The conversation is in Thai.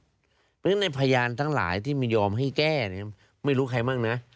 เพราะฉะนั้นในพยานทั้งหลายที่ไม่ยอมให้แก้เนี่ยไม่รู้ใครบ้างนะ